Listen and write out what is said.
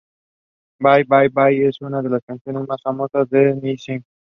Bye Bye Bye es una de las canciones más famosas de 'N Sync.